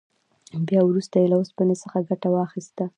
بیا وروسته یې له اوسپنې څخه ګټه واخیسته.